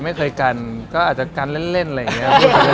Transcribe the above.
ไม่เคยกันก็อาจจะกันเล่นอะไรอย่างนี้